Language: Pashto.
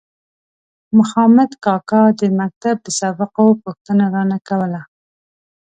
مخامد کاکا د مکتب د سبقو پوښتنه رانه کوله.